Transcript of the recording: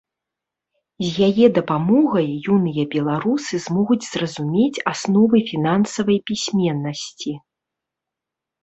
З яе дапамогай юныя беларусы змогуць зразумець асновы фінансавай пісьменнасці.